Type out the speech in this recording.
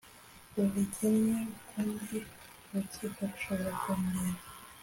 rubigennye ukundi urukiko rushobora kongera